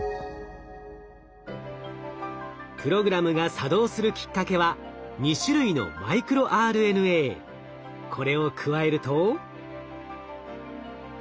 プログラムが作動するきっかけはこれを加えると。